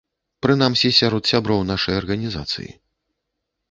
Прынамсі сярод сяброў нашай арганізацыі.